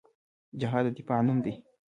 جهاد د دفاع نوم دی